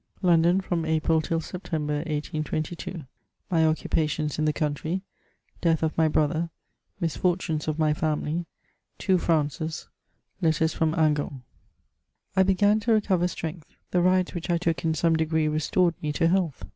London, from April till September, 1822. VY OCCUPATIONS IN THE COITNTBT — ^DEATH OF MT BROTHER — MISFOR TUNES OF MY FAMILY — TWO FRANCES — ^LETTERS FROM HINGANT. I BEGAN to recover strength ; the rides which I took in some degree restored me to health.